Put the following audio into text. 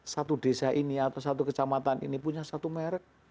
satu desa ini atau satu kecamatan ini punya satu merek